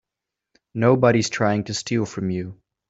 Nobody's trying to steal from you.